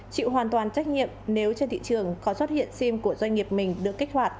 chịu hoàn toàn trách nhiệm nếu trên thị trường có xuất hiện sim của doanh nghiệp mình được kích hoạt